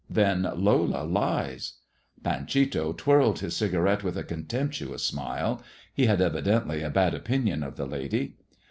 " Then Lola lies." Panchito twirled his cigarette with a contemptuous smile. He had evidently a bad opinion of the lady.